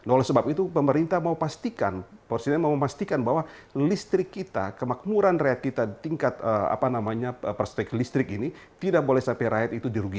oleh sebab itu pemerintah memastikan bahwa listrik kita kemakmuran rakyat kita di tingkat listrik ini tidak boleh sampai rakyat itu dirugikan